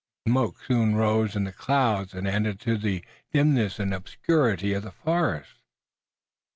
The smoke soon rose in clouds and added to the dimness and obscurity of the forest.